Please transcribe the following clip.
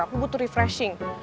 aku butuh refreshing